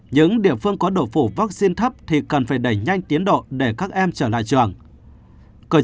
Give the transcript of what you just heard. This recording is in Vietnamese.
những địa phương có độ phủ vaccine thấp thì cần phải đẩy nhanh tiến độ để các em trở lại trường